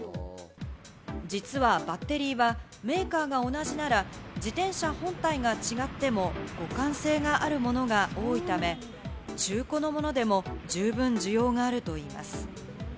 実はバッテリーはメーカーが同じなら自転車本体が違っても互換性があるものが多いため、中古のものでも十分需要があるといいます。